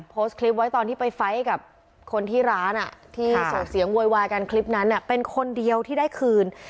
โพสต์คลิปไว้ตอนที่ไปไฟล์กับคนที่ร้านที่ส่งเสียงโวยวายกันคลิปนั้นเป็นคนเดียวที่ได้คืน